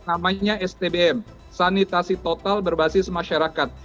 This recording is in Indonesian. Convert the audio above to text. namanya stbm sanitasi total berbasis masyarakat